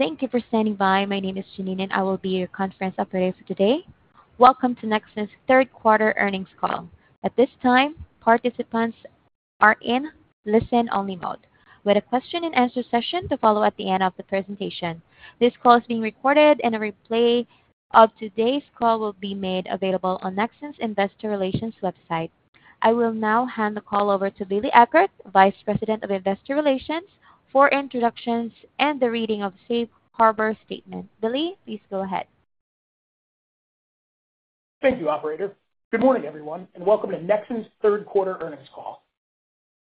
Thank you for standing by. My name is Janine, and I will be your conference operator for today. Welcome to Nexxen's third quarter earnings call. At this time, participants are in listen-only mode with a question-and-answer session to follow at the end of the presentation. This call is being recorded, and a replay of today's call will be made available on Nexxen's investor relations website. I will now hand the call over to Billy Eckert, Vice President of Investor Relations, for introductions and the reading of the Safe Harbor Statement. Billy, please go ahead. Thank you, Operator. Good morning, everyone, and welcome to Nexxen's third quarter earnings call.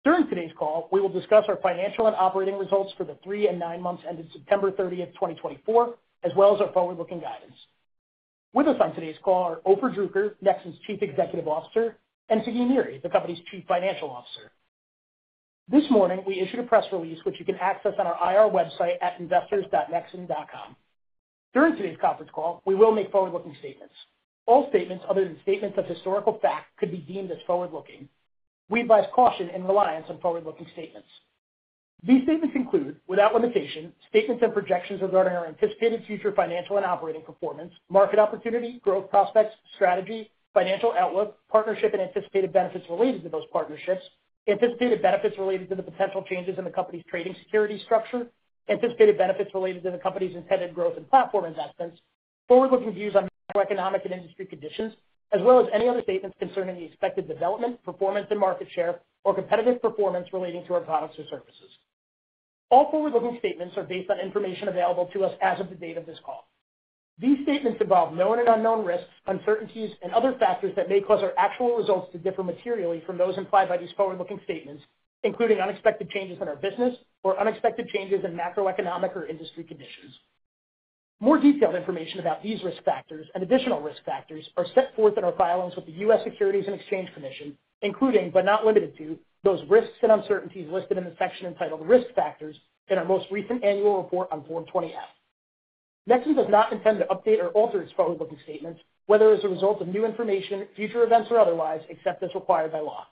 During today's call, we will discuss our financial and operating results for the three and nine months ended September 30th, 2024, as well as our forward-looking guidance. With us on today's call are Ofer Druker, Nexxen's Chief Executive Officer, and Sagi Niri, the company's Chief Financial Officer. This morning, we issued a press release which you can access on our IR website at investors.nexxen.com. During today's conference call, we will make forward-looking statements. All statements other than statements of historical fact could be deemed as forward-looking. We advise caution in reliance on forward-looking statements. These statements include, without limitation, statements and projections regarding our anticipated future financial and operating performance, market opportunity, growth prospects, strategy, financial outlook, partnership and anticipated benefits related to those partnerships, anticipated benefits related to the potential changes in the company's trading security structure, anticipated benefits related to the company's intended growth and platform investments, forward-looking views on macroeconomic and industry conditions, as well as any other statements concerning the expected development, performance, and market share or competitive performance relating to our products or services. All forward-looking statements are based on information available to us as of the date of this call. These statements involve known and unknown risks, uncertainties, and other factors that may cause our actual results to differ materially from those implied by these forward-looking statements, including unexpected changes in our business or unexpected changes in macroeconomic or industry conditions. More detailed information about these risk factors and additional risk factors are set forth in our filings with the U.S. Securities and Exchange Commission, including, but not limited to, those risks and uncertainties listed in the section entitled Risk Factors in our most recent annual report on Form 20-F. Nexxen does not intend to update or alter its forward-looking statements, whether as a result of new information, future events, or otherwise, except as required by law.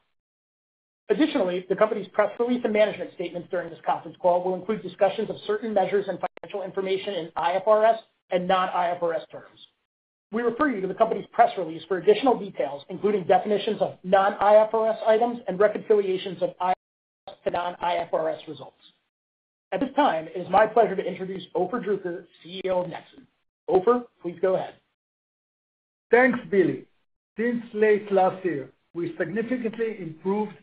Additionally, the company's press release and management statements during this conference call will include discussions of certain measures and financial information in IFRS and non-IFRS terms. We refer you to the company's press release for additional details, including definitions of non-IFRS items and reconciliations of IFRS to non-IFRS results. At this time, it is my pleasure to introduce Ofer Druker, CEO of Nexxen. Ofer, please go ahead. Thanks, Billy. Since late last year, we significantly improved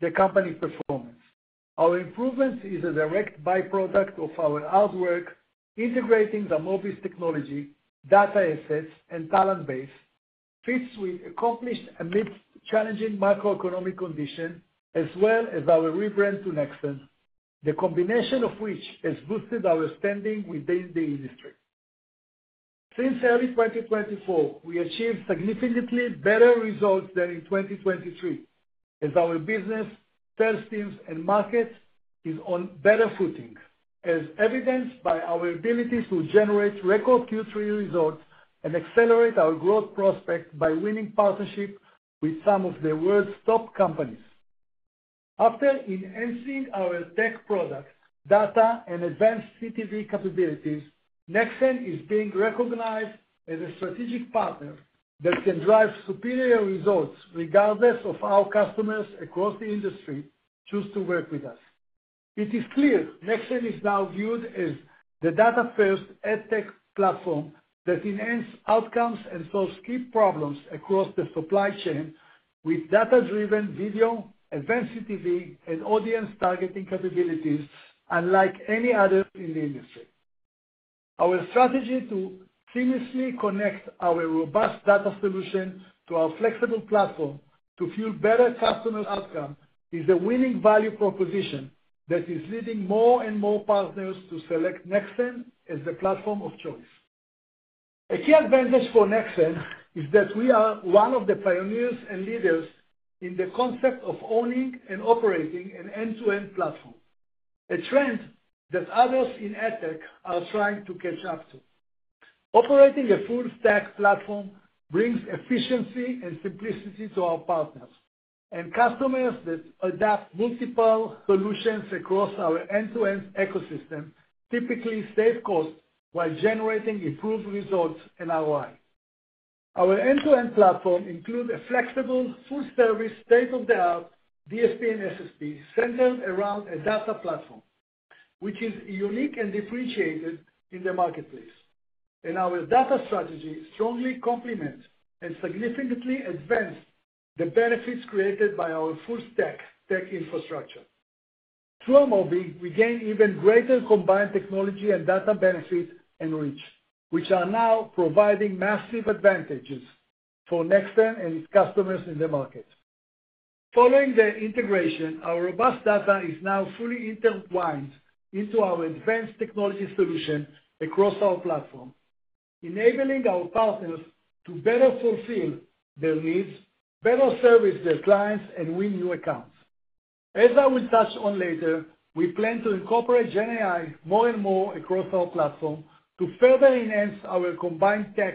the company's performance. Our improvement is a direct byproduct of our hard work integrating the MobiZ technology, data assets, and talent base, which we accomplished amidst challenging macroeconomic conditions, as well as our rebrand to Nexxen, the combination of which has boosted our standing within the industry. Since early 2024, we achieved significantly better results than in 2023, as our business, sales teams, and markets are on better footing, as evidenced by our ability to generate record Q3 results and accelerate our growth prospects by winning partnerships with some of the world's top companies. After enhancing our tech products, data, and advanced CTV capabilities, Nexxen is being recognized as a strategic partner that can drive superior results regardless of how customers across the industry choose to work with us. It is clear Nexxen is now viewed as the data-first AdTech platform that enhances outcomes and solves key problems across the supply chain with data-driven video, advanced CTV, and audience-targeting capabilities unlike any other in the industry. Our strategy to seamlessly connect our robust data solution to our flexible platform to fuel better customer outcomes is a winning value proposition that is leading more and more partners to select Nexxen as the platform of choice. A key advantage for Nexxen is that we are one of the pioneers and leaders in the concept of owning and operating an end-to-end platform, a trend that others in AdTech are trying to catch up to. Operating a full-stack platform brings efficiency and simplicity to our partners and customers that adopt multiple solutions across our end-to-end ecosystem, typically saves costs while generating improved results and ROI. Our end-to-end platform includes a flexible, full-service, state-of-the-art DSP and SSP centered around a data platform, which is unique and differentiated in the marketplace, and our data strategy strongly complements and significantly advances the benefits created by our full-stack tech infrastructure. Through MobiZ, we gain even greater combined technology and data benefits and reach, which are now providing massive advantages for Nexxen and its customers in the market. Following the integration, our robust data is now fully intertwined into our advanced technology solution across our platform, enabling our partners to better fulfill their needs, better service their clients, and win new accounts. As I will touch on later, we plan to incorporate GenAI more and more across our platform to further enhance our combined tech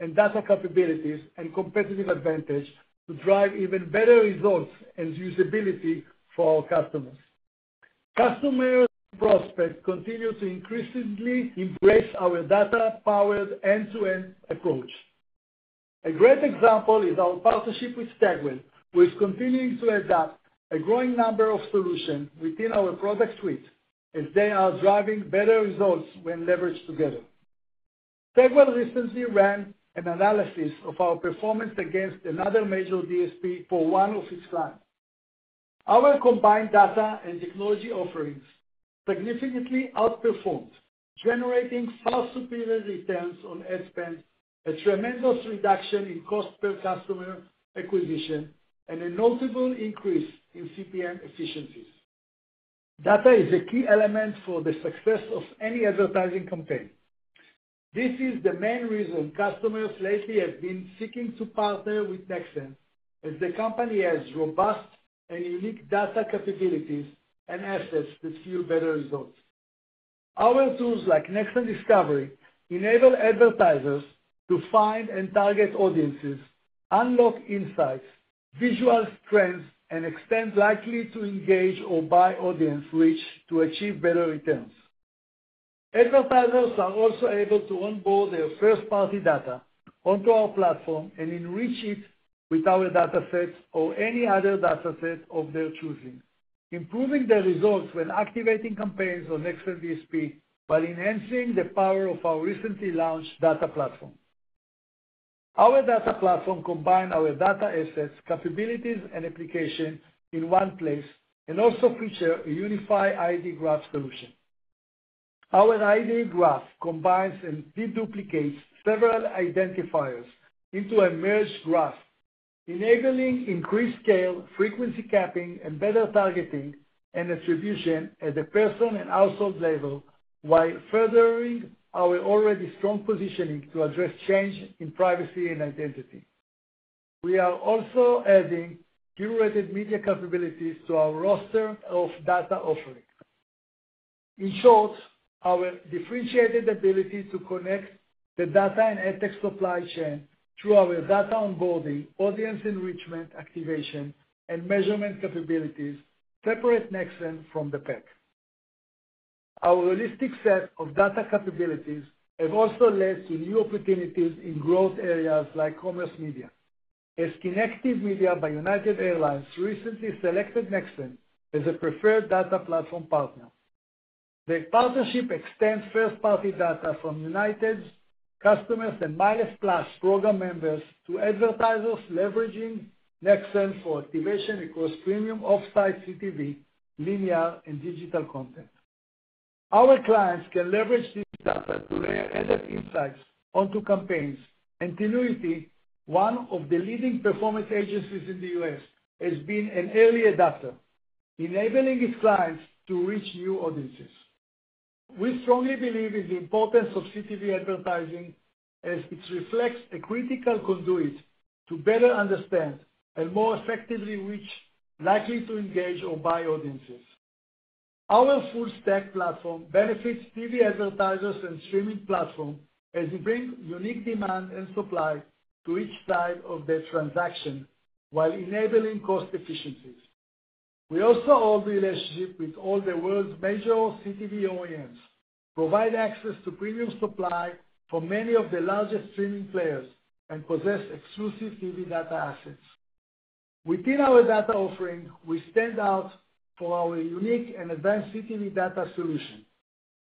and data capabilities and competitive advantage to drive even better results and usability for our customers. Customer prospects continue to increasingly embrace our data-powered end-to-end approach. A great example is our partnership with Stagwell, who is continuing to adapt a growing number of solutions within our product suite as they are driving better results when leveraged together. Stagwell recently ran an analysis of our performance against another major DSP for one of its clients. Our combined data and technology offerings significantly outperformed, generating far superior returns on ad spend, a tremendous reduction in cost per customer acquisition, and a notable increase in CPM efficiencies. Data is a key element for the success of any advertising campaign. This is the main reason customers lately have been seeking to partner with Nexxen, as the company has robust and unique data capabilities and assets that fuel better results. Our tools like Nexxen Discovery enable advertisers to find and target audiences, unlock insights, visualize trends, and extend likely-to-engage or buy audience reach to achieve better returns. Advertisers are also able to onboard their first-party data onto our platform and enrich it with our data sets or any other data set of their choosing, improving their results when activating campaigns on Nexxen DSP by enhancing the power of our recently launched data platform. Our data platform combines our data assets, capabilities, and applications in one place and also features a unified ID graph solution. Our ID graph combines and deduplicates several identifiers into a merged graph, enabling increased scale, frequency capping, and better targeting and attribution at the person and household level while furthering our already strong positioning to address change in privacy and identity. We are also adding curated media capabilities to our roster of data offerings. In short, our differentiated ability to connect the data and AdTech supply chain through our data onboarding, audience enrichment activation, and measurement capabilities separate Nexxen from the pack. Our holistic set of data capabilities has also led to new opportunities in growth areas like commerce media. As Kinective Media by United Airlines recently selected Nexxen as a preferred data platform partner. The partnership extends first-party data from United's customers and MileagePlus program members to advertisers leveraging Nexxen for activation across premium offsite CTV, linear, and digital content. Our clients can leverage this data to layer AdTech insights onto campaigns, and Tinuiti, one of the leading performance agencies in the U.S., has been an early adopter, enabling its clients to reach new audiences. We strongly believe in the importance of CTV advertising as it reflects a critical conduit to better understand and more effectively reach likely-to-engage or buy audiences. Our full-stack platform benefits TV advertisers and streaming platforms as it brings unique demand and supply to each side of the transaction while enabling cost efficiencies. We also hold relationships with all the world's major CTV OEMs, provide access to premium supply for many of the largest streaming players, and possess exclusive TV data assets. Within our data offering, we stand out for our unique and advanced CTV data solution,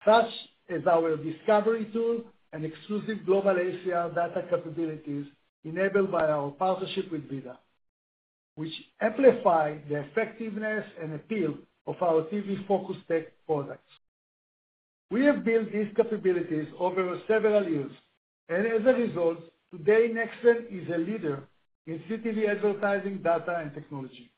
such as our Discovery tool and exclusive global ACR data capabilities enabled by our partnership with VIDAA, which amplify the effectiveness and appeal of our TV-focused tech products. We have built these capabilities over several years, and as a result, today, Nexxen is a leader in CTV advertising data and technology.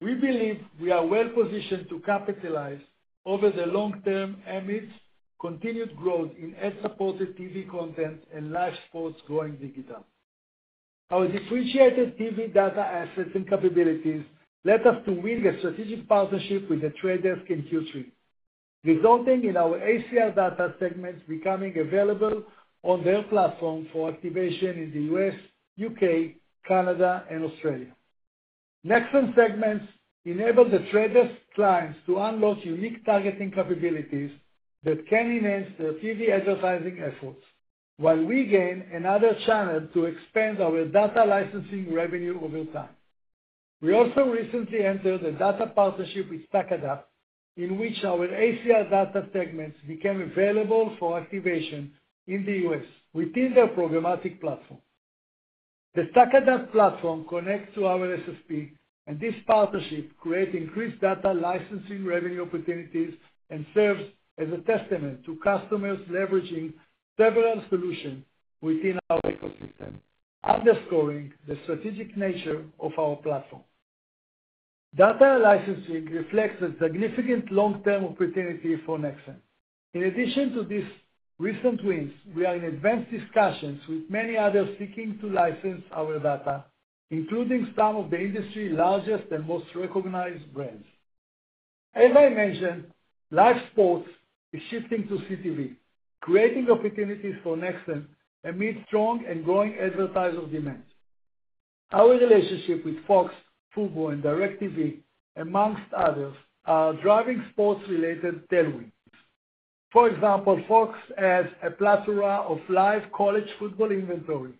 We believe we are well-positioned to capitalize over the long-term amidst continued growth in ad-supported TV content and live sports growing digital. Our differentiated TV data assets and capabilities led us to win a strategic partnership with The Trade Desk in Q3, resulting in our ACR data segments becoming available on their platform for activation in the U.S., U.K., Canada, and Australia. Nexxen segments enable The Trade Desk clients to unlock unique targeting capabilities that can enhance their TV advertising efforts, while we gain another channel to expand our data licensing revenue over time. We also recently entered a data partnership with StackAdapt, in which our ACR data segments became available for activation in the U.S. within their programmatic platform. The StackAdapt platform connects to our SSP, and this partnership creates increased data licensing revenue opportunities and serves as a testament to customers leveraging several solutions within our ecosystem, underscoring the strategic nature of our platform. Data licensing reflects a significant long-term opportunity for Nexxen. In addition to these recent wins, we are in advanced discussions with many others seeking to license our data, including some of the industry's largest and most recognized brands. As I mentioned, live sports is shifting to CTV, creating opportunities for Nexxen amid strong and growing advertiser demands. Our relationship with Fox, Fubo, and DIRECTV, among others, are driving sports-related tailwinds. For example, Fox has a plethora of live college football inventory,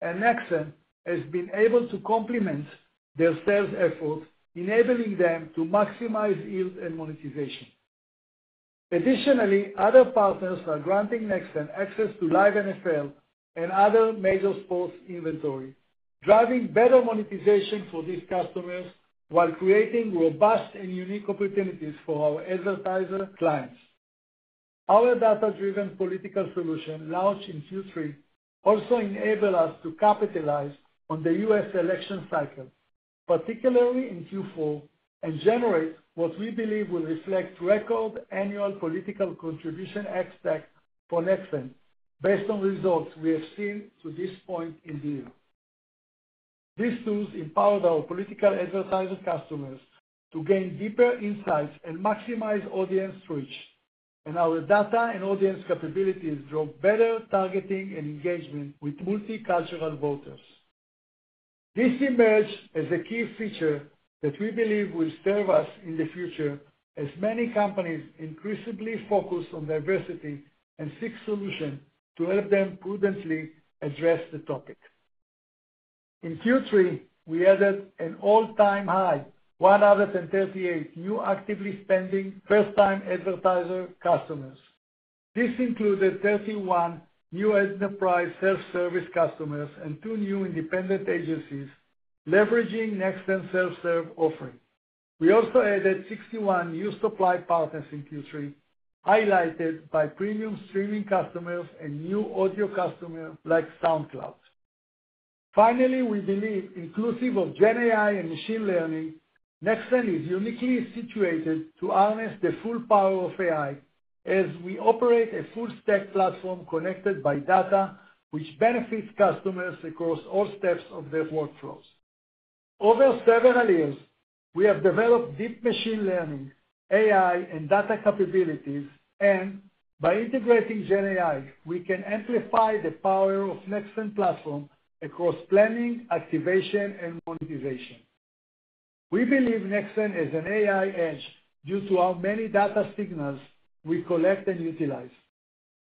and Nexxen has been able to complement their sales efforts, enabling them to maximize yield and monetization. Additionally, other partners are granting Nexxen access to live NFL and other major sports inventory, driving better monetization for these customers while creating robust and unique opportunities for our advertiser clients. Our data-driven political solution, launched in Q3, also enables us to capitalize on the U.S. Election cycle, particularly in Q4, and generate what we believe will reflect record annual political contribution ex-TAC for Nexxen based on results we have seen to this point in the year. These tools empowered our political advertiser customers to gain deeper insights and maximize audience reach, and our data and audience capabilities drove better targeting and engagement with multicultural voters. This emerged as a key feature that we believe will serve us in the future as many companies increasingly focus on diversity and seek solutions to help them prudently address the topic. In Q3, we added an all-time high, 138 new actively spending first-time advertiser customers. This included 31 new enterprise self-service customers and two new independent agencies leveraging Nexxen's self-serve offering. We also added 61 new supply partners in Q3, highlighted by premium streaming customers and new audio customers like SoundCloud. Finally, we believe inclusive of GenAI and machine learning, Nexxen is uniquely situated to harness the full power of AI as we operate a full-stack platform connected by data, which benefits customers across all steps of their workflows. Over several years, we have developed deep machine learning, AI, and data capabilities, and by integrating GenAI, we can amplify the power of Nexxen's platform across planning, activation, and monetization. We believe Nexxen has an AI edge due to how many data signals we collect and utilize.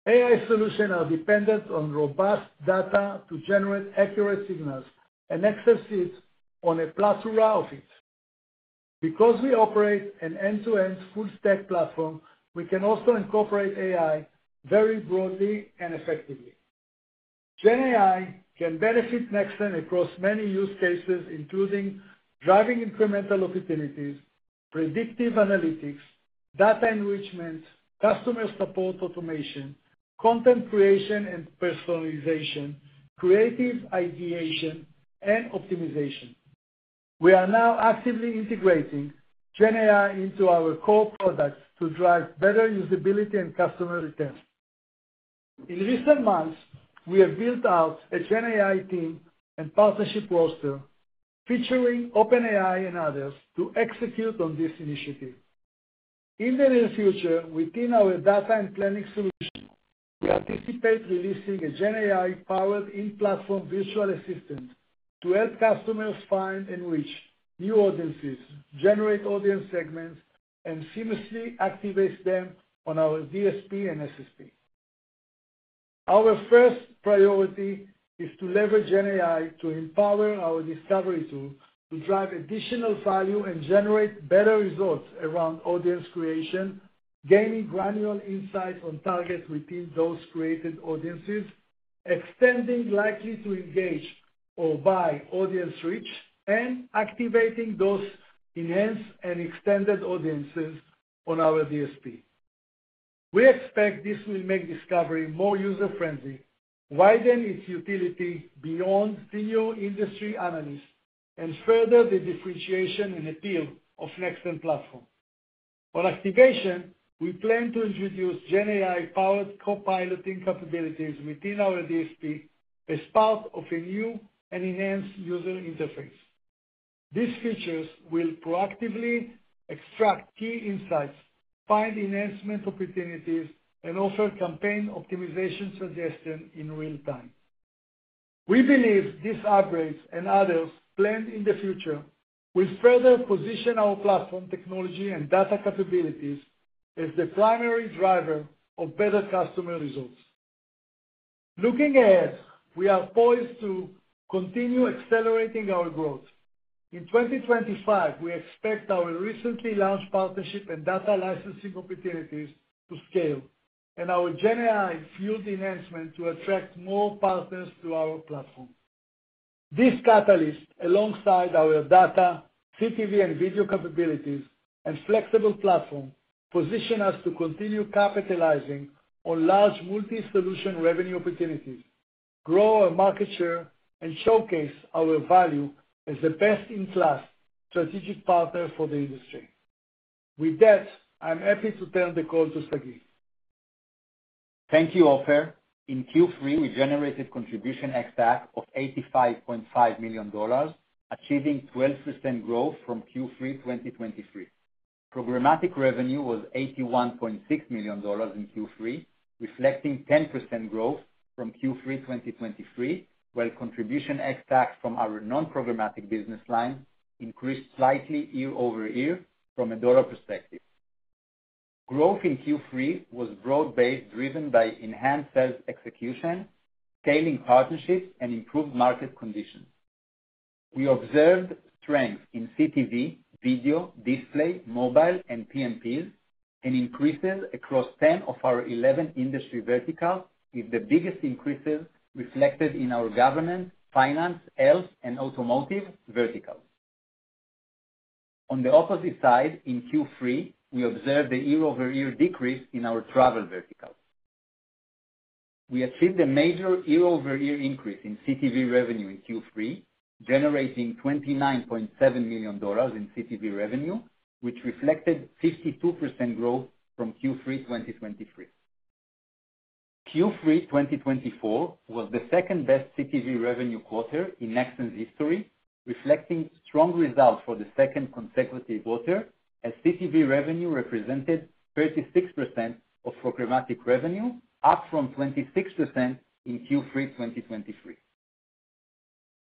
AI solutions are dependent on robust data to generate accurate signals and exercise on a plethora of it. Because we operate an end-to-end full-stack platform, we can also incorporate AI very broadly and effectively. GenAI can benefit Nexxen across many use cases, including driving incremental opportunities, predictive analytics, data enrichment, customer support automation, content creation and personalization, creative ideation, and optimization. We are now actively integrating GenAI into our core products to drive better usability and customer retention. In recent months, we have built out a GenAI team and partnership roster featuring OpenAI and others to execute on this initiative. In the near future, within our data and planning solution, we anticipate releasing a GenAI-powered in-platform virtual assistant to help customers find and reach new audiences, generate audience segments, and seamlessly activate them on our DSP and SSP. Our first priority is to leverage GenAI to empower our Discovery tool to drive additional value and generate better results around audience creation, gaining granular insights on targets within those created audiences, extending likely-to-engage or buy audience reach, and activating those enhanced and extended audiences on our DSP. We expect this will make Discovery more user-friendly, widen its utility beyond video industry analysts, and further the differentiation and appeal of Nexxen's platform. On activation, we plan to introduce GenAI-powered co-piloting capabilities within our DSP as part of a new and enhanced user interface. These features will proactively extract key insights, find enhancement opportunities, and offer campaign optimization suggestions in real time. We believe these upgrades and others planned in the future will further position our platform technology and data capabilities as the primary driver of better customer results. Looking ahead, we are poised to continue accelerating our growth. In 2025, we expect our recently launched partnership and data licensing opportunities to scale, and our GenAI-fueled enhancement to attract more partners to our platform. This catalyst, alongside our data, CTV, and video capabilities, and flexible platform, positions us to continue capitalizing on large multi-solution revenue opportunities, grow our market share, and showcase our value as the best-in-class strategic partner for the industry. With that, I'm happy to turn the call to Sagi. Thank you, Ofer Druker. In Q3, we generated Contribution ex-TAC of $85.5 million, achieving 12% growth from Q3 2023. Programmatic revenue was $81.6 million in Q3, reflecting 10% growth from Q3 2023, while Contribution ex-TAC from our non-programmatic business line increased slightly year-over-year from a dollar perspective. Growth in Q3 was broad-based, driven by enhanced sales execution, scaling partnerships, and improved market conditions. We observed strength in CTV, video, display, mobile, and PMPs, and increases across 10 of our 11 industry verticals, with the biggest increases reflected in our government, finance, health, and automotive verticals. On the opposite side, in Q3, we observed a year-over-year decrease in our travel verticals. We achieved a major year-over-year increase in CTV revenue in Q3, generating $29.7 million in CTV revenue, which reflected 52% growth from Q3 2023. Q3 2024 was the second-best CTV revenue quarter in Nexxen's history, reflecting strong results for the second consecutive quarter, as CTV revenue represented 36% of programmatic revenue, up from 26% in Q3 2023.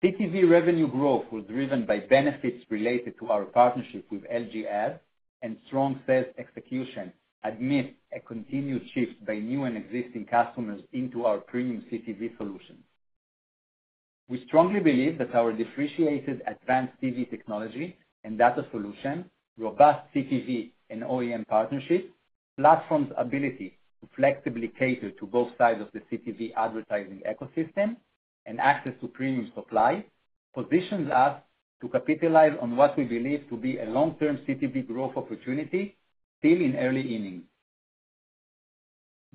CTV revenue growth was driven by benefits related to our partnership with LG Ads, and strong sales execution amid a continued shift by new and existing customers into our premium CTV solutions. We strongly believe that our differentiated advanced TV technology and data solution, robust CTV and OEM partnerships, platform's ability to flexibly cater to both sides of the CTV advertising ecosystem, and access to premium supply positions us to capitalize on what we believe to be a long-term CTV growth opportunity still in early innings.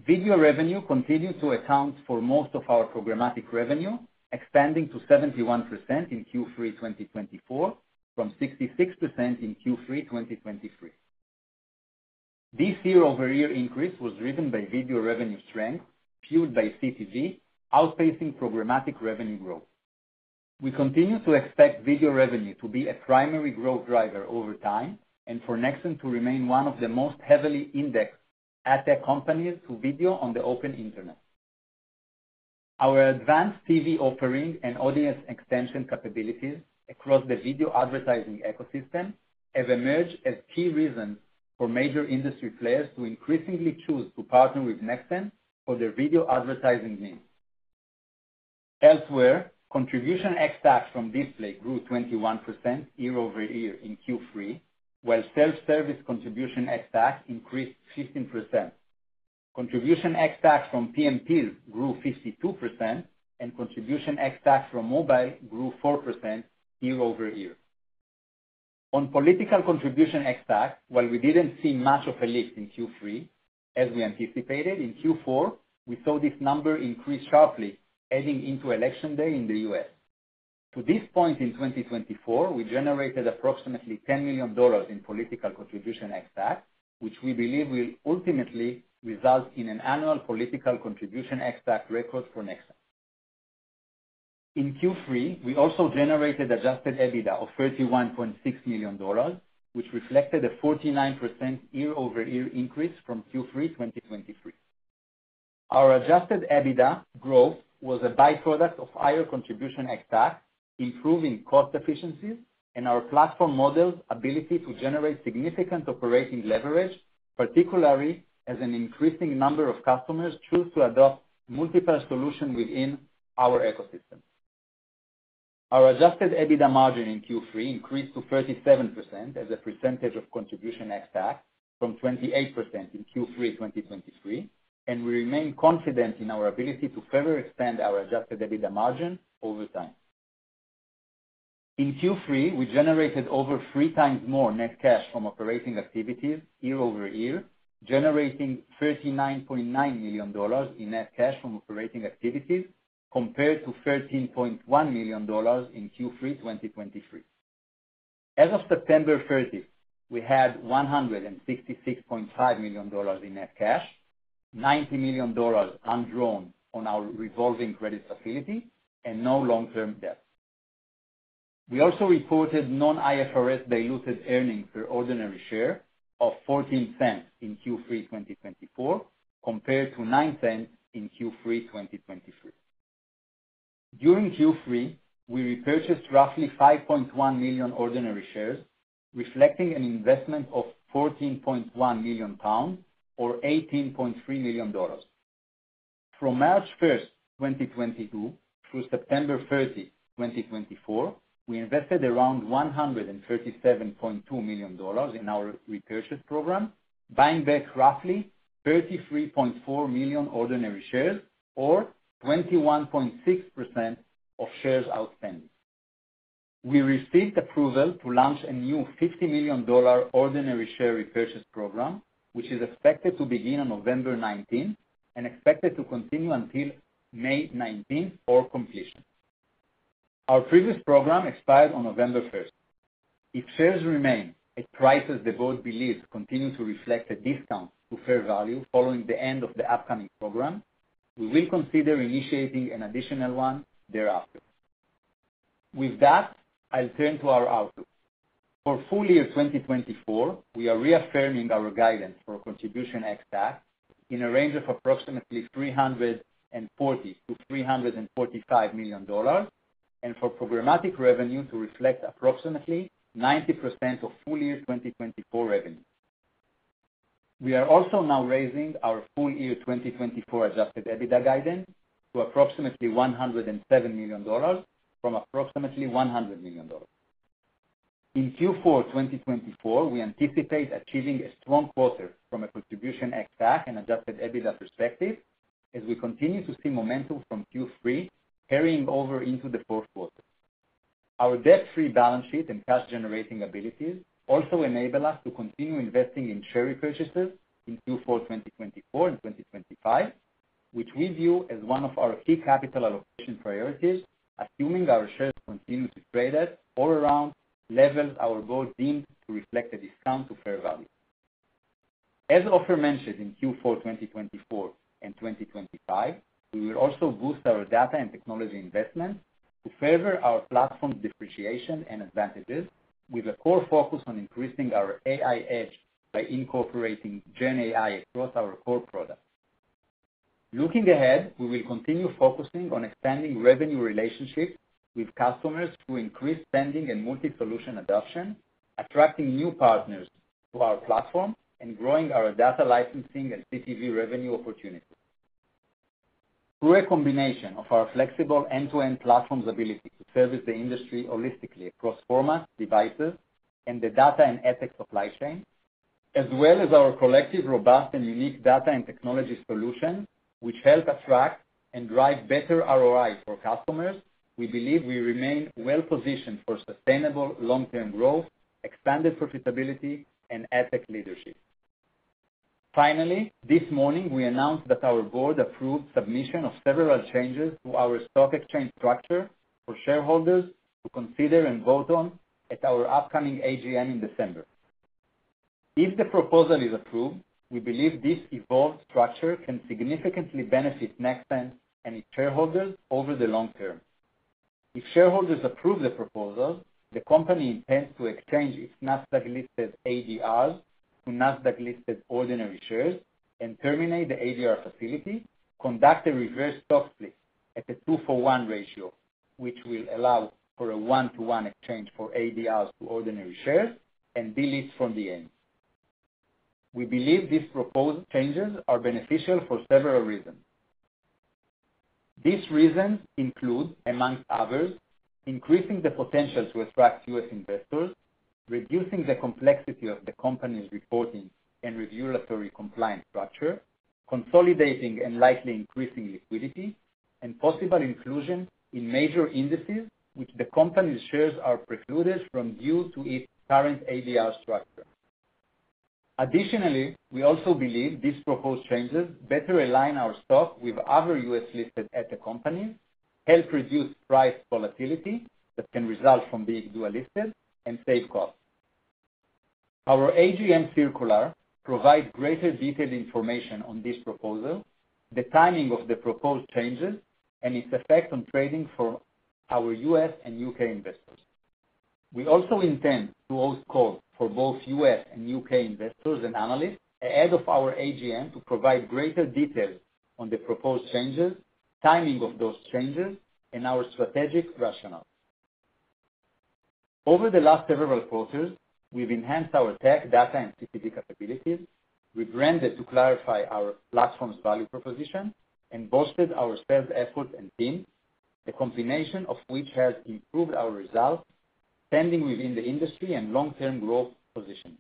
Video revenue continued to account for most of our programmatic revenue, expanding to 71% in Q3 2024 from 66% in Q3 2023. This year-over-year increase was driven by video revenue strength fueled by CTV, outpacing programmatic revenue growth. We continue to expect video revenue to be a primary growth driver over time and for Nexxen to remain one of the most heavily indexed ad tech companies to video on the open internet. Our advanced TV offering and audience extension capabilities across the video advertising ecosystem have emerged as key reasons for major industry players to increasingly choose to partner with Nexxen for their video advertising needs. Elsewhere, Contribution ex-TAC from display grew 21% year-over-year in Q3, while self-service Contribution ex-TAC increased 15%. Contribution ex-TAC from PMPs grew 52%, and Contribution ex-TAC from mobile grew 4% year-over-year. On political Contribution ex-TAC, while we didn't see much of a lift in Q3, as we anticipated, in Q4, we saw this number increase sharply heading into Election Day in the U.S. To this point in 2024, we generated approximately $10 million in political Contribution ex-TAC, which we believe will ultimately result in an annual political Contribution ex-TAC record for Nexxen. In Q3, we also generated Adjusted EBITDA of $31.6 million, which reflected a 49% year-over-year increase from Q3 2023. Our Adjusted EBITDA growth was a byproduct of higher Contribution ex-TAC, improving cost efficiencies and our platform model's ability to generate significant operating leverage, particularly as an increasing number of customers choose to adopt multiple solutions within our ecosystem. Our Adjusted EBITDA margin in Q3 increased to 37% as a percentage of Contribution ex-TAC from 28% in Q3 2023, and we remain confident in our ability to further expand our Adjusted EBITDA margin over time. In Q3, we generated over three times more net cash from operating activities year-over-year, generating $39.9 million in net cash from operating activities compared to $13.1 million in Q3 2023. As of September 30, we had $166.5 million in net cash, $90 million undrawn on our revolving credit facility, and no long-term debt. We also reported non-IFRS diluted earnings per ordinary share of $0.14 in Q3 2024 compared to $0.09 in Q3 2023. During Q3, we repurchased roughly 5.1 million ordinary shares, reflecting an investment of 14.1 million pounds or $18.3 million. From March 1, 2022, through September 30, 2024, we invested around $137.2 million in our repurchase program, buying back roughly 33.4 million ordinary shares or 21.6% of shares outstanding. We received approval to launch a new $50 million ordinary share repurchase program, which is expected to begin on November 19 and expected to continue until May 19 for completion. Our previous program expired on November 1. If shares remain at prices the board believes continue to reflect a discount to fair value following the end of the upcoming program, we will consider initiating an additional one thereafter. With that, I'll turn to our outlook. For full year 2024, we are reaffirming our guidance for contribution ex-TAC in a range of approximately $340 million-$345 million and for programmatic revenue to reflect approximately 90% of full year 2024 revenue. We are also now raising our full year 2024 Adjusted EBITDA guidance to approximately $107 million from approximately $100 million. In Q4 2024, we anticipate achieving a strong quarter from a Contribution ex-TAC and Adjusted EBITDA perspective as we continue to see momentum from Q3 carrying over into the fourth quarter. Our debt-free balance sheet and cash-generating abilities also enable us to continue investing in share repurchases in Q4 2024 and 2025, which we view as one of our key capital allocation priorities, assuming our shares continue to trade at or around levels our board deemed to reflect a discount to fair value. As Ofer mentioned in Q4 2024 and 2025, we will also boost our data and technology investments to further our platform's differentiation and advantages, with a core focus on increasing our AI edge by incorporating GenAI across our core products. Looking ahead, we will continue focusing on expanding revenue relationships with customers through increased spending and multi-solution adoption, attracting new partners to our platform, and growing our data licensing and CTV revenue opportunities. Through a combination of our flexible end-to-end platform's ability to service the industry holistically across formats, devices, and the data and AdTech supply chain, as well as our collective robust and unique data and technology solutions, which help attract and drive better ROI for customers, we believe we remain well-positioned for sustainable long-term growth, expanded profitability, and AdTech leadership. Finally, this morning, we announced that our board approved submission of several changes to our stock exchange structure for shareholders to consider and vote on at our upcoming AGM in December. If the proposal is approved, we believe this evolved structure can significantly benefit Nexxen and its shareholders over the long term. If shareholders approve the proposal, the company intends to exchange its NASDAQ-listed ADRs to NASDAQ-listed ordinary shares and terminate the ADR facility, conduct a reverse stock split at a 2-for-1 ratio, which will allow for a 1-to-1 exchange for ADRs to ordinary shares and delist from the exchange. We believe these proposed changes are beneficial for several reasons. These reasons include, among others, increasing the potential to attract U.S. investors, reducing the complexity of the company's reporting and regulatory compliance structure, consolidating and likely increasing liquidity, and possible inclusion in major indices which the company's shares are precluded from due to its current ADR structure. Additionally, we also believe these proposed changes better align our stock with other U.S.-listed tech companies, help reduce price volatility that can result from being dually listed, and save costs. Our AGM circular provides greater detailed information on this proposal, the timing of the proposed changes, and its effect on trading for our U.S. and U.K. investors. We also intend to host calls for both U.S. and U.K. investors and analysts ahead of our AGM to provide greater details on the proposed changes, timing of those changes, and our strategic rationale. Over the last several quarters, we've enhanced our tech, data, and CTV capabilities, rebranded to clarify our platform's value proposition, and boosted our sales efforts and teams, the combination of which has improved our results, standing within the industry and long-term growth positions.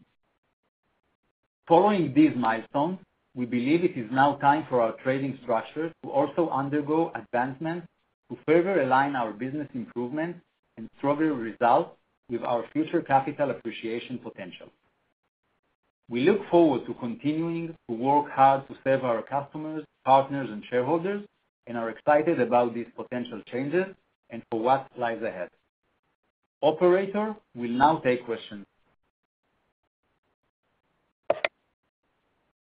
Following these milestones, we believe it is now time for our trading structure to also undergo advancements to further align our business improvements and stronger results with our future capital appreciation potential. We look forward to continuing to work hard to serve our customers, partners, and shareholders, and are excited about these potential changes and for what lies ahead. Operator will now take questions.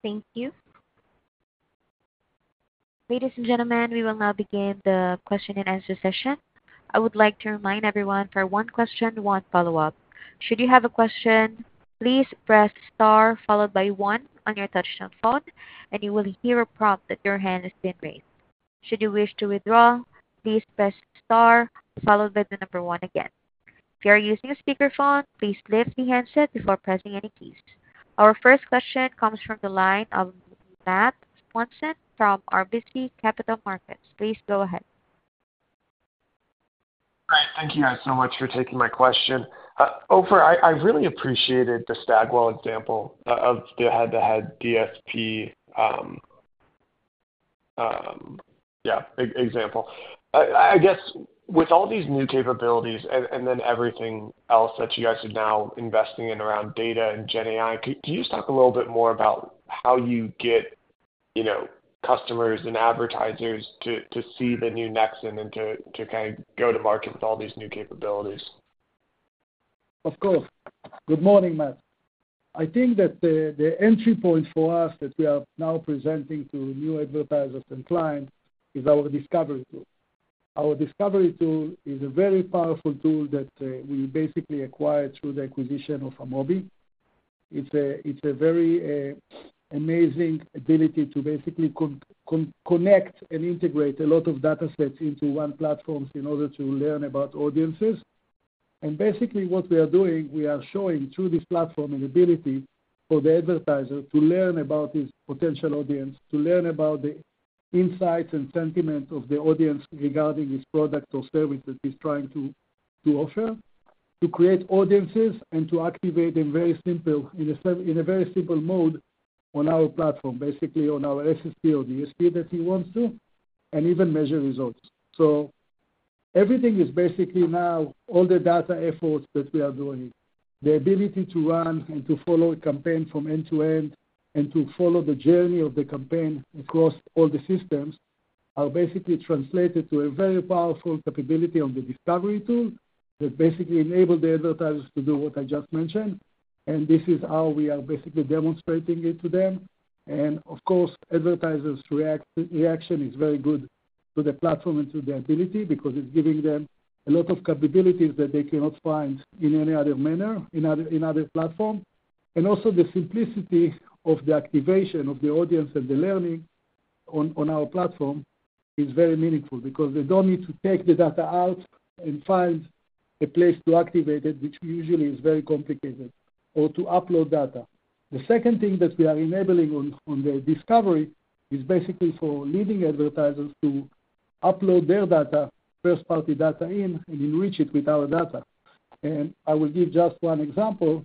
Thank you. Ladies and gentlemen, we will now begin the question and answer session. I would like to remind everyone for one question, one follow-up. Should you have a question, please press star followed by one on your touch-tone phone, and you will hear a prompt that your hand has been raised. Should you wish to withdraw, please press star followed by the number one again. If you are using a speakerphone, please lift the handset before pressing any keys. Our first question comes from the line of Matt Swanson from RBC Capital Markets. Please go ahead. Hi, thank you guys so much for taking my question. Ofer, I really appreciated the Stagwell example of the head-to-head DSP. Yeah, example. I guess with all these new capabilities and then everything else that you guys are now investing in around data and GenAI, can you just talk a little bit more about how you get customers and advertisers to see the new Nexxen and to kind of go to market with all these new capabilities? Of course. Good morning, Matt. I think that the entry point for us that we are now presenting to new advertisers and clients is our discovery tool. Our discovery tool is a very powerful tool that we basically acquired through the acquisition of Amobee. It's a very amazing ability to basically connect and integrate a lot of data sets into one platform in order to learn about audiences. And basically what we are doing, we are showing through this platform an ability for the advertiser to learn about his potential audience, to learn about the insights and sentiment of the audience regarding his product or service that he's trying to offer, to create audiences, and to activate in very simple, in a very simple mode on our platform, basically on our SSP or DSP that he wants to, and even measure results. So everything is basically now all the data efforts that we are doing, the ability to run and to follow a campaign from end to end and to follow the journey of the campaign across all the systems are basically translated to a very powerful capability on the discovery tool that basically enables the advertisers to do what I just mentioned. And this is how we are basically demonstrating it to them. Of course, advertisers' reaction is very good to the platform and to the ability because it's giving them a lot of capabilities that they cannot find in any other manner in other platforms. Also, the simplicity of the activation of the audience and the learning on our platform is very meaningful because they don't need to take the data out and find a place to activate it, which usually is very complicated, or to upload data. The second thing that we are enabling on the discovery is basically for leading advertisers to upload their data, first-party data in, and enrich it with our data. I will give just one example,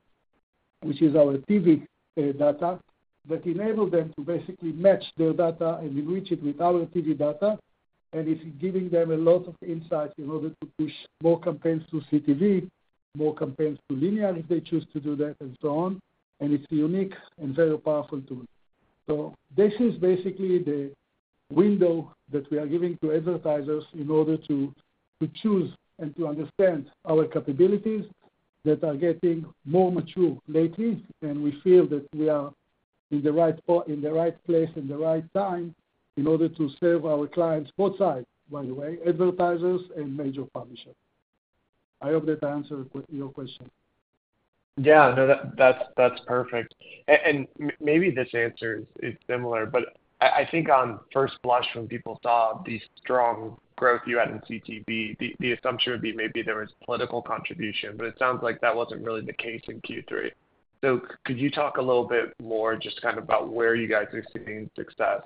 which is our TV data that enables them to basically match their data and enrich it with our TV data. It's giving them a lot of insights in order to push more campaigns to CTV, more campaigns to linear if they choose to do that, and so on. It's a unique and very powerful tool. This is basically the window that we are giving to advertisers in order to choose and to understand our capabilities that are getting more mature lately. We feel that we are in the right place and the right time in order to serve our clients both sides, by the way, advertisers and major publishers. I hope that I answered your question. Yeah, no, that's perfect. Maybe this answer is similar, but I think on first blush when people saw the strong growth you had in CTV, the assumption would be maybe there was political contribution, but it sounds like that wasn't really the case in Q3. So could you talk a little bit more just kind of about where you guys are seeing success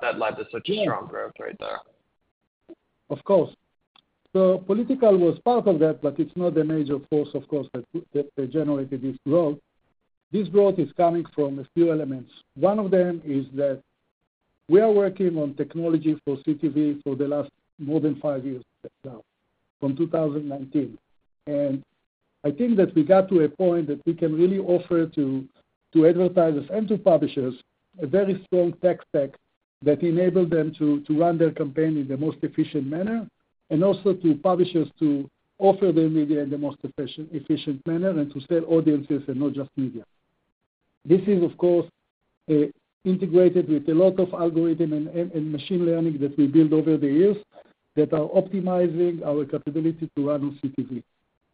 that led to such a strong growth right there? Of course, so political was part of that, but it's not the major force, of course, that generated this growth. This growth is coming from a few elements. One of them is that we are working on technology for CTV for the last more than five years now, from 2019, and I think that we got to a point that we can really offer to advertisers and to publishers a very strong tech stack that enables them to run their campaign in the most efficient manner, and also to publishers to offer their media in the most efficient manner and to sell audiences and not just media. This is, of course, integrated with a lot of algorithm and machine learning that we built over the years that are optimizing our capability to run on CTV.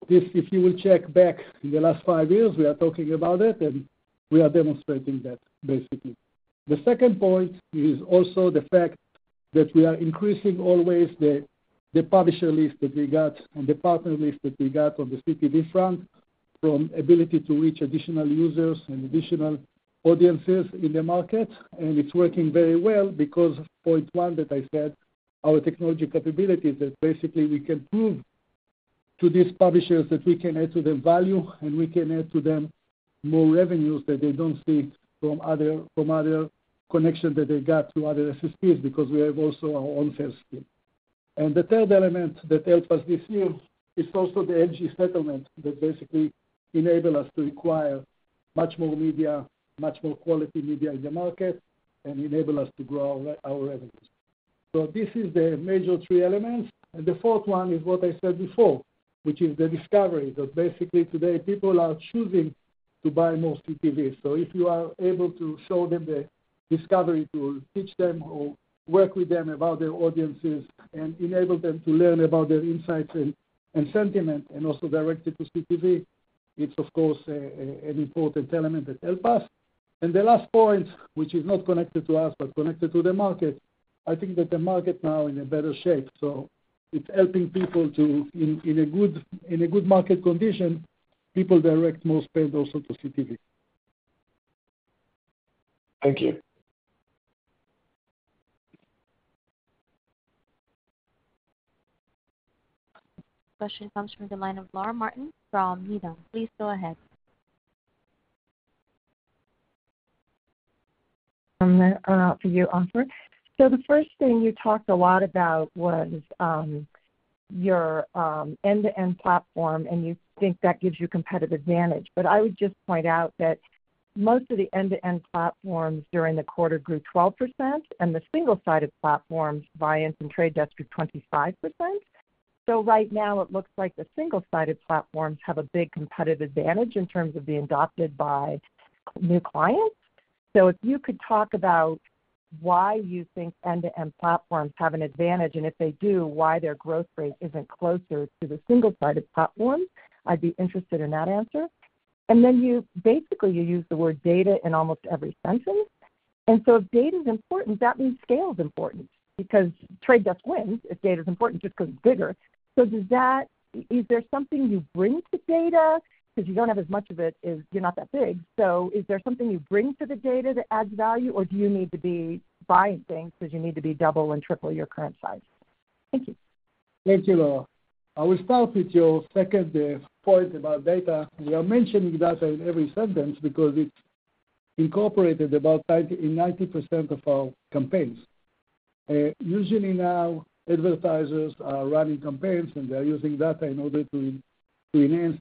If you will check back in the last five years, we are talking about it, and we are demonstrating that, basically. The second point is also the fact that we are increasing always the publisher list that we got and the partner list that we got on the CTV front from ability to reach additional users and additional audiences in the market. And it's working very well because point one that I said, our technology capabilities that basically we can prove to these publishers that we can add to them value and we can add to them more revenues that they don't see from other connections that they got through other SSPs because we have also our own sales team. And the third element that helped us this year is also the LG settlement that basically enabled us to acquire much more media, much more quality media in the market, and enabled us to grow our revenues. So this is the major three elements. And the fourth one is what I said before, which is the discovery that basically today people are choosing to buy more CTV. So if you are able to show them the discovery tool, teach them or work with them about their audiences and enable them to learn about their insights and sentiment and also direct it to CTV, it's, of course, an important element that helps us. And the last point, which is not connected to us but connected to the market, I think that the market now is in a better shape. So it's helping people to, in a good market condition, people direct more spend also to CTV. Thank you. Question comes from the line of Laura Martin from Needham. Please go ahead. I'll open it up for you, Ofer. So the first thing you talked a lot about was your end-to-end platform, and you think that gives you competitive advantage. But I would just point out that most of the end-to-end platforms during the quarter grew 12%, and the single-sided platforms, Viant and Trade Desk, grew 25%. So right now, it looks like the single-sided platforms have a big competitive advantage in terms of being adopted by new clients. So if you could talk about why you think end-to-end platforms have an advantage, and if they do, why their growth rate isn't closer to the single-sided platform, I'd be interested in that answer. And then you basically use the word data in almost every sentence. And so if data is important, that means scale is important because The Trade Desk wins. If data is important, it just goes bigger. So is there something you bring to data? Because you don't have as much of it as you're not that big. So is there something you bring to the data that adds value, or do you need to be buying things because you need to be double and triple your current size? Thank you. Thank you, Laura. I will start with your second point about data. You are mentioning data in every sentence because it's incorporated about 90% of our campaigns. Usually now, advertisers are running campaigns, and they're using data in order to enhance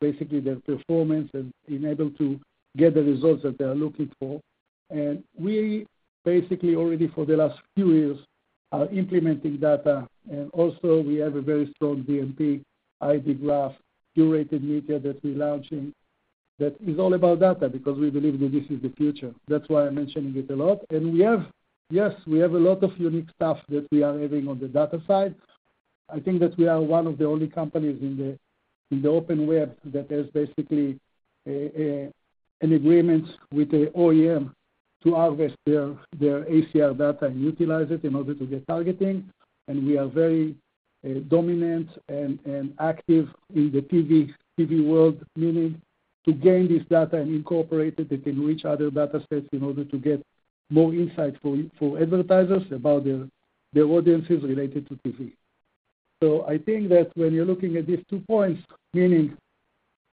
basically their performance and enable to get the results that they are looking for. And we basically, already for the last few years, are implementing data. And also we have a very strong DMP, ID Graph, curated media that we're launching that is all about data because we believe that this is the future. That's why I'm mentioning it a lot. And yes, we have a lot of unique stuff that we are having on the data side. I think that we are one of the only companies in the open web that has basically an agreement with the OEM to harvest their ACR data and utilize it in order to get targeting. And we are very dominant and active in the TV world, meaning to gain this data and incorporate it and enrich other data sets in order to get more insights for advertisers about their audiences related to TV. So I think that when you're looking at these two points, meaning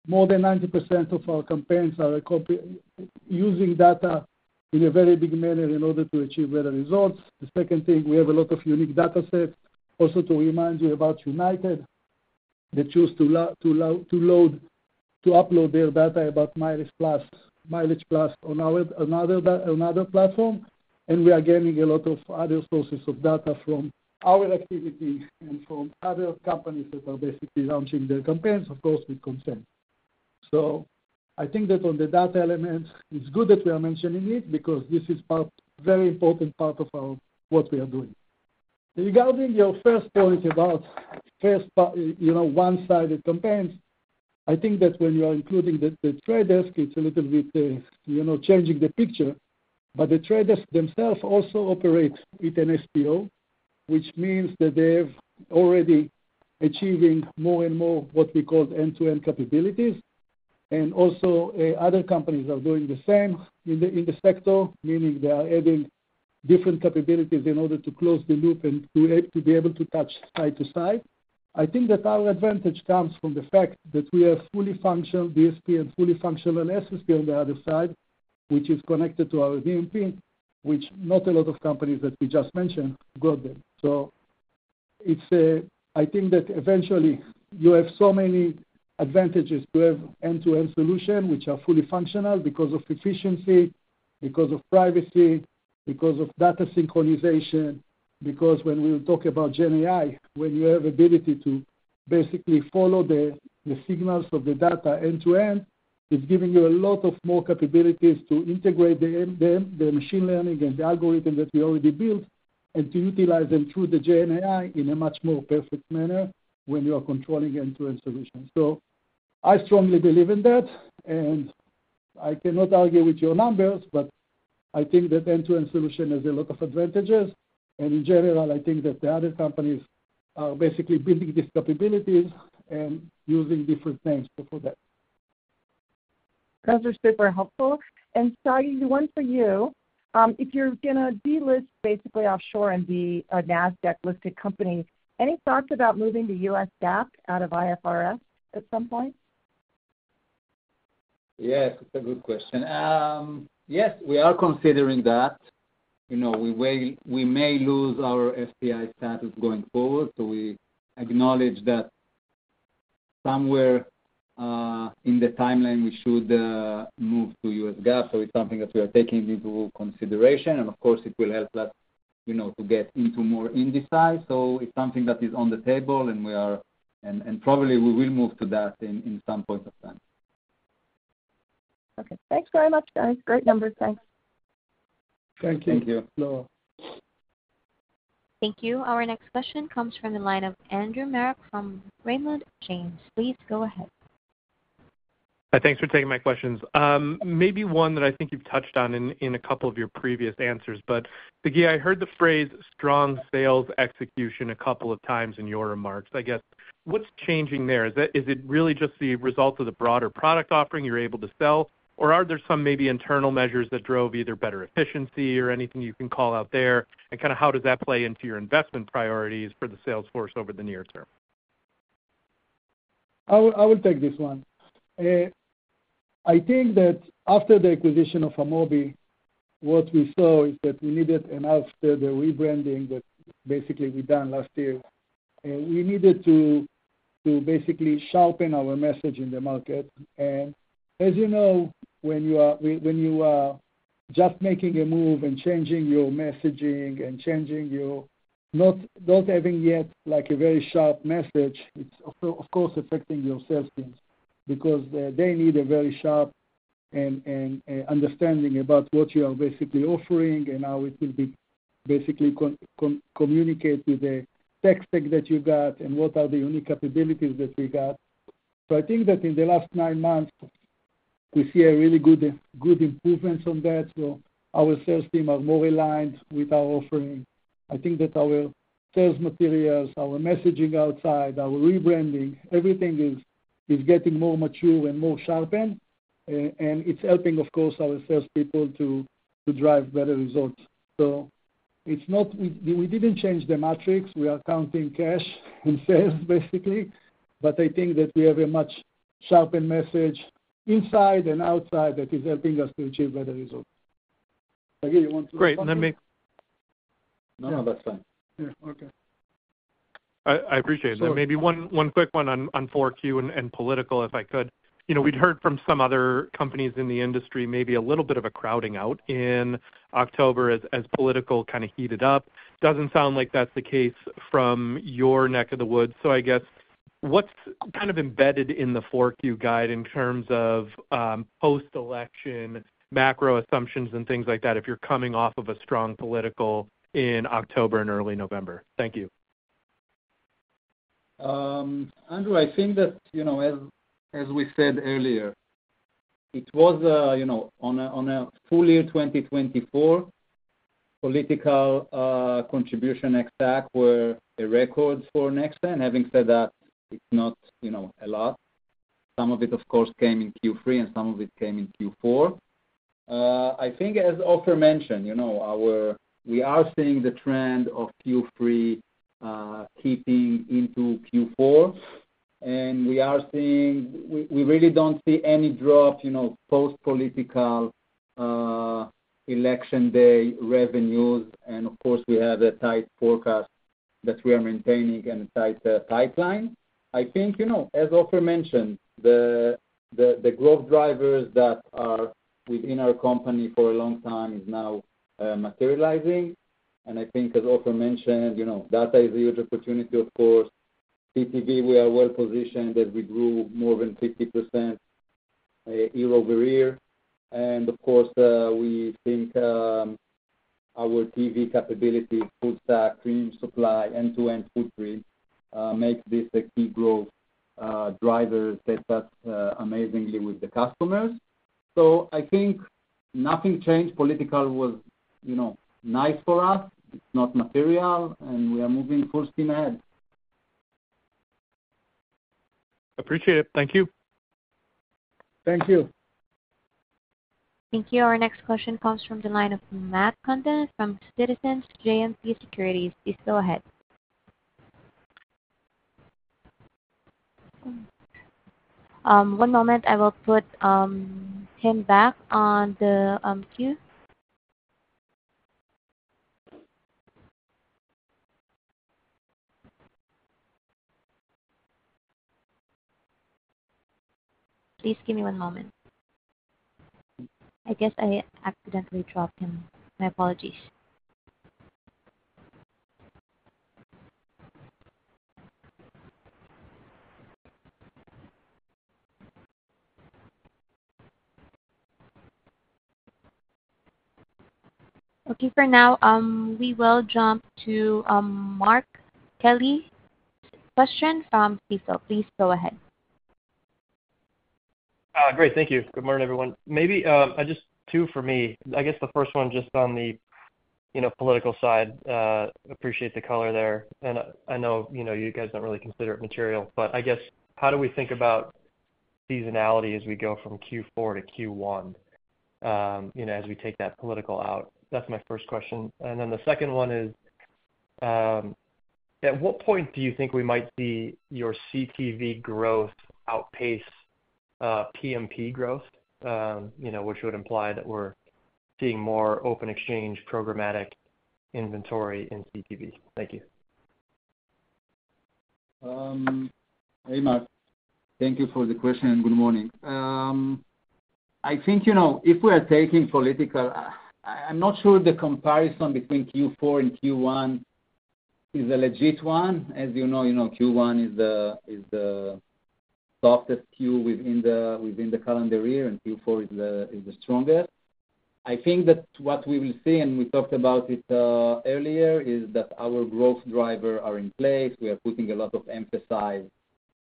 more than 90% of our campaigns are using data in a very big manner in order to achieve better results. The second thing, we have a lot of unique data sets. Also to remind you about United that choose to upload their data about MileagePlus on another platform. And we are getting a lot of other sources of data from our activity and from other companies that are basically launching their campaigns, of course, with consent. So I think that on the data element, it's good that we are mentioning it because this is a very important part of what we are doing. Regarding your first point about one-sided campaigns, I think that when you are including The Trade Desk, it's a little bit changing the picture. But The Trade Desk themselves also operate with an SPO, which means that they're already achieving more and more what we call end-to-end capabilities. And also other companies are doing the same in the sector, meaning they are adding different capabilities in order to close the loop and to be able to touch side to side. I think that our advantage comes from the fact that we have fully functional DSP and fully functional SSP on the other side, which is connected to our DMP, which not a lot of companies that we just mentioned got them. So I think that eventually you have so many advantages to have end-to-end solutions which are fully functional because of efficiency, because of privacy, because of data synchronization, because when we talk about GenAI, when you have the ability to basically follow the signals of the data end-to-end, it's giving you a lot of more capabilities to integrate the machine learning and the algorithm that we already built and to utilize them through the GenAI in a much more perfect manner when you are controlling end-to-end solutions. So I strongly believe in that. And I cannot argue with your numbers, but I think that end-to-end solution has a lot of advantages. And in general, I think that the other companies are basically building these capabilities and using different names for that. Those are super helpful. And Sagi, one for you. If you're going to delist basically offshore and be a Nasdaq-listed company, any thoughts about moving to US GAAP out of IFRS at some point? Yes, it's a good question. Yes, we are considering that. We may lose our FPI status going forward. So we acknowledge that somewhere in the timeline, we should move to US GAAP. So it's something that we are taking into consideration. And of course, it will help us to get into more index side. So it's something that is on the table, and probably we will move to that in some point of time. Okay. Thanks very much, guys. Great numbers. Thanks. Thank you. Thank you. Thank you. Our next question comes from the line of Andrew Marok from Raymond James. Please go ahead. Thanks for taking my questions. Maybe one that I think you've touched on in a couple of your previous answers. But Sagi, I heard the phrase strong sales execution a couple of times in your remarks. I guess what's changing there? Is it really just the result of the broader product offering you're able to sell, or are there some maybe internal measures that drove either better efficiency or anything you can call out there? And kind of how does that play into your investment priorities for the sales force over the near term? I will take this one. I think that after the acquisition of Amobi, what we saw is that we needed enough for the rebranding that basically we done last year. We needed to basically sharpen our message in the market. And as you know, when you are just making a move and changing your messaging and changing your not having yet a very sharp message, it's of course affecting your sales teams because they need a very sharp understanding about what you are basically offering and how it will be basically communicated with the tech stack that you got and what are the unique capabilities that we got. So I think that in the last nine months, we see a really good improvement on that. So our sales team are more aligned with our offering. I think that our sales materials, our messaging outside, our rebranding, everything is getting more mature and more sharpened. And it's helping, of course, our salespeople to drive better results. So we didn't change the metrics. We are counting cash and sales basically. But I think that we have a much sharper message inside and outside that is helping us to achieve better results. Again, you want to? Great. No, no, that's fine. Yeah. Okay. I appreciate it. Maybe one quick one on 4Q and Political, if I could. We'd heard from some other companies in the industry maybe a little bit of a crowding out in October as Political kind of heated up. Doesn't sound like that's the case from your neck of the woods. So I guess what's kind of embedded in the 4Q guide in terms of post-election macro assumptions and things like that if you're coming off of a strong Political in October and early November? Thank you. Andrew, I think that as we said earlier, it was on a full year 2024, Political contribution ex-TAC were a record for Nexxen. Having said that, it's not a lot. Some of it, of course, came in Q3, and some of it came in Q4. I think as Ofer mentioned, we are seeing the trend of Q3 carrying into Q4, and we really don't see any drop post political election day revenues, and of course, we have a tight forecast that we are maintaining and a tight pipeline. I think as Ofer mentioned, the growth drivers that are within our company for a long time is now materializing, and I think as Ofer mentioned, data is a huge opportunity, of course. CTV, we are well positioned as we grew more than 50% year over year, and of course, we think our TV capabilities, full stack, clean supply, end-to-end footprint make this a key growth driver that does amazingly with the customers, so I think nothing changed. Political was nice for us. It's not material, and we are moving full steam ahead. Appreciate it. Thank you. Thank you. Thank you. Our next question comes from the line of Matt Condon from Citizens JMP Securities. Please go ahead. One moment. I will put him back on the queue. Please give me one moment. I guess I accidentally dropped him. My apologies. Okay. For now, we will jump to Mark Kelly from Seaport Research Partners. Please go ahead. Great. Thank you. Good morning, everyone. Maybe just two for me. I guess the first one just on the political side. Appreciate the color there. And I know you guys don't really consider it material. But I guess how do we think about seasonality as we go from Q4 to Q1 as we take that political out? That's my first question. And then the second one is, at what point do you think we might see your CTV growth outpace PMP growth, which would imply that we're seeing more open exchange programmatic inventory in CTV? Thank you. Hey, Mark. Thank you for the question. Good morning. I think if we are taking Political, I'm not sure the comparison between Q4 and Q1 is a legit one. As you know, Q1 is the softest Q within the calendar year, and Q4 is the strongest. I think that what we will see, and we talked about it earlier, is that our growth drivers are in place. We are putting a lot of emphasis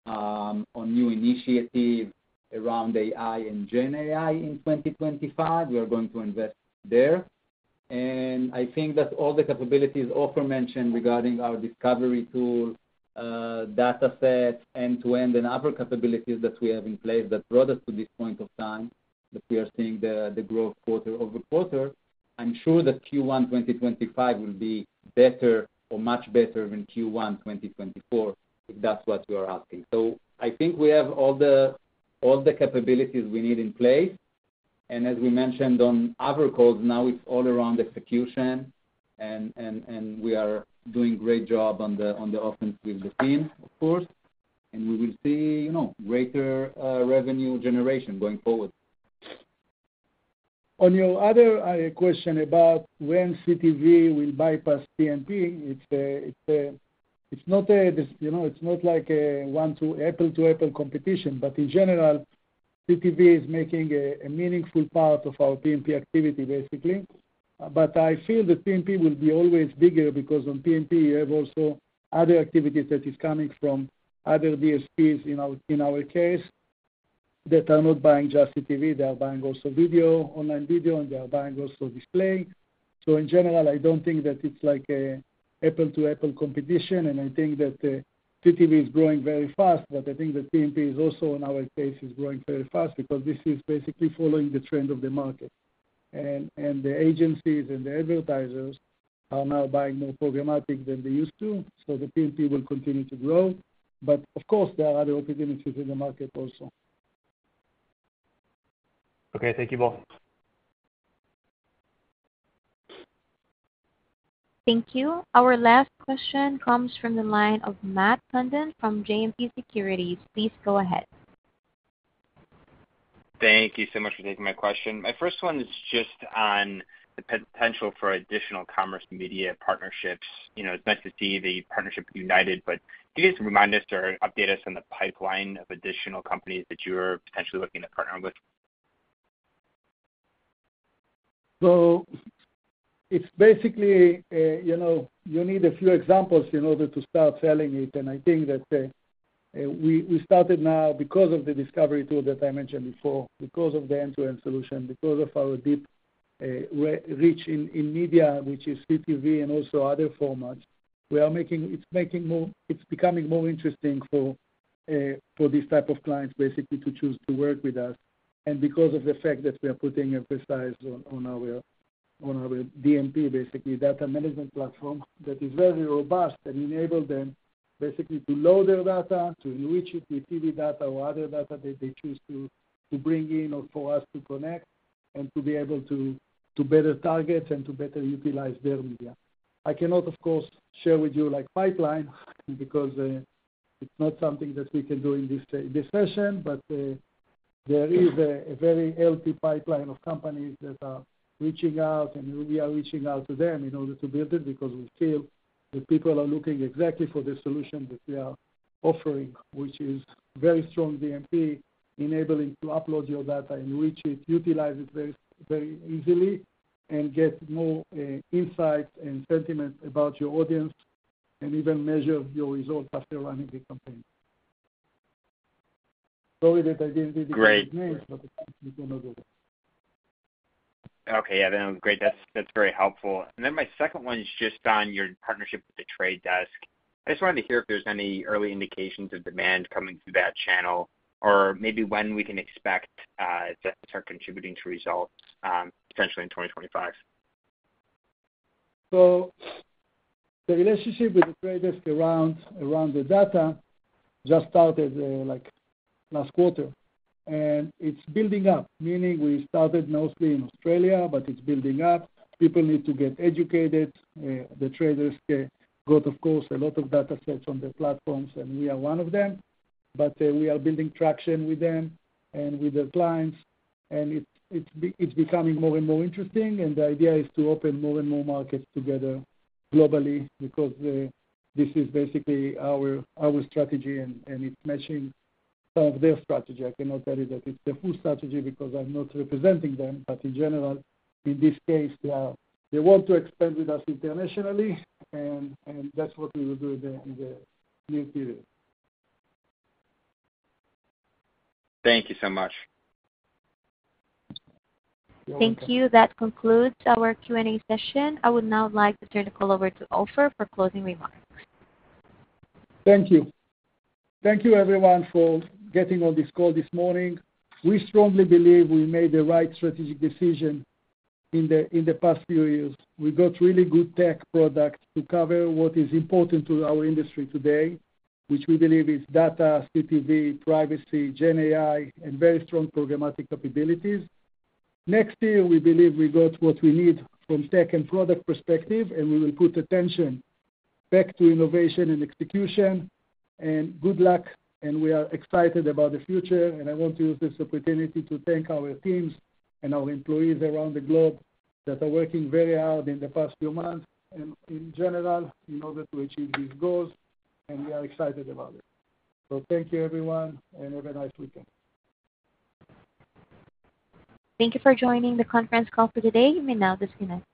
on new initiatives around AI and GenAI in 2025. We are going to invest there. I think that all the capabilities Ofer mentioned regarding our discovery tools, data sets, end-to-end, and other capabilities that we have in place that brought us to this point of time that we are seeing the growth quarter over quarter. I'm sure that Q1 2025 will be better or much better than Q1 2024 if that's what you are asking. So I think we have all the capabilities we need in place. And as we mentioned on other calls, now it's all around execution. And we are doing a great job on the offense with the team, of course. And we will see greater revenue generation going forward. On your other question about when CTV will bypass PMP, it's not like an apples-to-apples competition. But in general, CTV is making a meaningful part of our PMP activity, basically. But I feel that PMP will be always bigger because on PMP, you have also other activities that are coming from other DSPs in our case that are not buying just CTV. They are buying also video, online video, and they are buying also display. So in general, I don't think that it's like an apple-to-apple competition. And I think that CTV is growing very fast. But I think that PMP is also, in our case, is growing very fast because this is basically following the trend of the market. And the agencies and the advertisers are now buying more programmatic than they used to. So the PMP will continue to grow. But of course, there are other opportunities in the market also. Okay. Thank you both. Thank you. Our last question comes from the line of Matt Condon from Citizens JMP Securities. Please go ahead. Thank you so much for taking my question. My first one is just on the potential for additional commerce media partnerships. It's nice to see the partnership with United. But can you just remind us or update us on the pipeline of additional companies that you are potentially looking to partner with? So it's basically you need a few examples in order to start selling it. And I think that we started now because of the discovery tool that I mentioned before, because of the end-to-end solution, because of our deep reach in media, which is CTV and also other formats. It's becoming more interesting for these types of clients basically to choose to work with us. Because of the fact that we are putting emphasis on our DMP, basically data management platform, that is very robust and enables them basically to load their data, to enrich it with TV data or other data that they choose to bring in or for us to connect and to be able to better target and to better utilize their media. I cannot, of course, share with you the pipeline because it's not something that we can do in this session. There is a very healthy pipeline of companies that are reaching out. We are reaching out to them in order to build it because we feel that people are looking exactly for the solution that we are offering, which is very strong DMP, enabling to upload your data, enrich it, utilize it very easily, and get more insight and sentiment about your audience, and even measure your results after running the campaign. Sorry that I didn't say the correct name, but we can go there. Okay. Yeah. That's great. That's very helpful. My second one is just on your partnership with The Trade Desk. I just wanted to hear if there's any early indications of demand coming through that channel or maybe when we can expect that to start contributing to results potentially in 2025. The relationship with The Trade Desk around the data just started last quarter. And it's building up, meaning we started mostly in Australia, but it's building up. People need to get educated. The traders got, of course, a lot of data sets on their platforms, and we are one of them. But we are building traction with them and with their clients. And it's becoming more and more interesting. And the idea is to open more and more markets together globally because this is basically our strategy. And it's matching some of their strategy. I cannot tell you that it's the full strategy because I'm not representing them. But in general, in this case, they want to expand with us internationally. And that's what we will do in the near future. Thank you so much. Thank you. That concludes our Q&A session. I would now like to turn the call over to Ofer for closing remarks. Thank you. Thank you, everyone, for getting on this call this morning. We strongly believe we made the right strategic decision in the past few years. We got really good tech products to cover what is important to our industry today, which we believe is data, CTV, privacy, GenAI, and very strong programmatic capabilities. Next year, we believe we got what we need from tech and product perspective. And we will put attention back to innovation and execution. And good luck. And we are excited about the future. And I want to use this opportunity to thank our teams and our employees around the globe that are working very hard in the past few months and in general in order to achieve these goals. And we are excited about it. So thank you, everyone, and have a nice weekend. Thank you for joining the conference call for today. You may now disconnect.